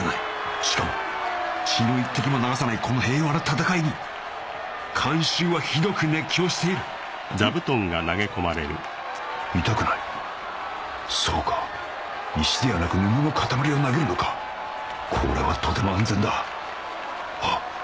しかも血の一滴も流さないこの平和な戦いに観衆はひどく熱狂しているんぐっ痛くないそうか石ではなく布の塊を投げるのかこれはとても安全だあっ